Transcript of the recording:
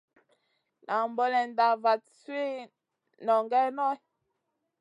Nan bonenda vat sui nʼongue Noy.